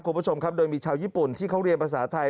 คุณผู้ชมครับโดยมีชาวญี่ปุ่นที่เขาเรียนภาษาไทย